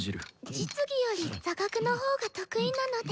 実技より座学の方が得意なので。